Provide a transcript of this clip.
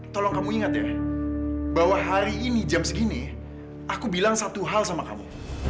tolong kamu ingat ya bahwa hari ini jam segini aku bilang satu hal sama kamu